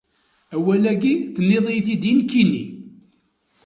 Awal-agi tenniḍ-iyi-t-id i nekkini!